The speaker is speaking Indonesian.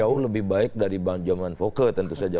jauh lebih baik dari zaman fokker tentu saja